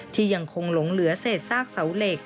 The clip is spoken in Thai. ที่ยังคงหลงเหลือเศษซากเสาเหล็ก